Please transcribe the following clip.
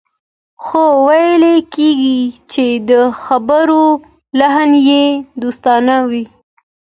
خو ويل کېږي چې د خبرو لحن يې دوستانه و.